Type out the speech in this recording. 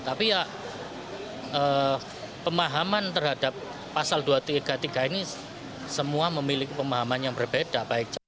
tapi ya pemahaman terhadap pasal dua ratus tiga puluh tiga ini semua memiliki pemahaman yang berbeda